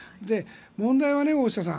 問題は、大下さん